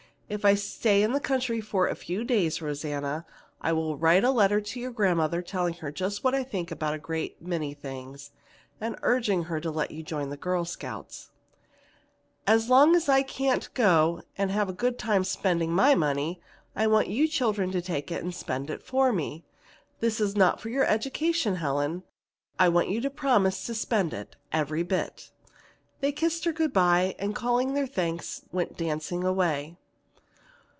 If I stay in the country for a few days, Rosanna, I will write a letter to your grandmother telling her just what I think about a great many things, and urging her to let you join the Girl Scouts. "And as long as I can't go and have a good time spending my money, I want you children to take it and spend it for me. This is not for your education, Helen. I want you to promise to spend it, every bit." They kissed her good by and calling their thanks went dancing away.